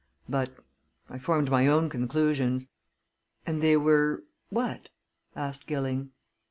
But I formed my own conclusions." "And they were what?" asked Gilling.